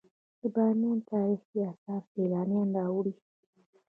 د بامیان تاریخي اثار سیلانیان راوړي